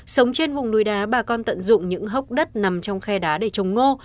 sống trên vùng núi đá bà con tận dụng những hốc đất nằm trong khe đá để trồng ngô